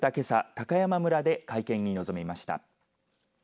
高山村で会見に臨みました。